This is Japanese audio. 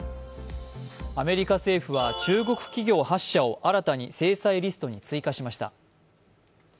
アメリカ政府は中国企業８社を新たに制裁リストに追加しました。